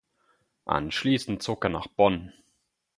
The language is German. Anschließend zog er nach Bonn.